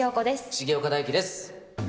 重岡大毅です。